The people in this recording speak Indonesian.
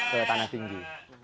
ke tanah tinggi